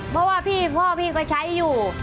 เพราะว่าพี่พ่อพี่ก็ใช้อยู่